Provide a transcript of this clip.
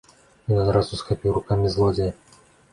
Ён адразу схапіў рукамі злодзея.